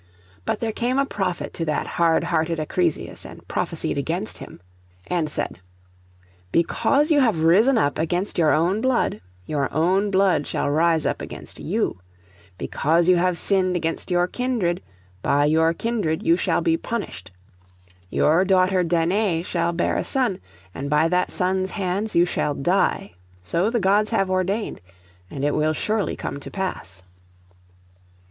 But there came a prophet to that hard hearted Acrisius and prophesied against him, and said, 'Because you have risen up against your own blood, your own blood shall rise up against you; because you have sinned against your kindred, by your kindred you shall be punished. Your daughter Danae shall bear a son, and by that son's hands you shall die. So the Gods have ordained, and it will surely come to pass.